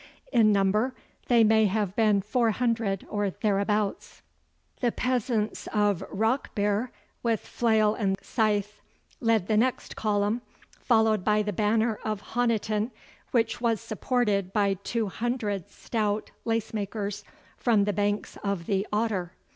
In number they may have been four hundred or thereabouts. The peasants of Rockbere, with flail and scythe, led the next column, followed by the banner of Honiton, which was supported by two hundred stout lacemakers from the banks of the Otter.